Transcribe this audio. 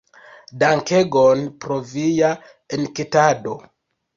Dankegon pro via enketado.